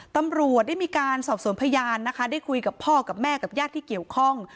ตำรวจได้มีการสอบสวนพยานนะคะได้คุยกับพ่อกับแม่กับญาติที่เกี่ยวข้อง